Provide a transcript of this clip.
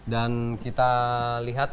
dan kita lihat